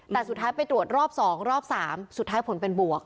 แต่สุดท้ายไปตรวจรอบ๒รอบ๓สุดท้ายผลเป็นบวก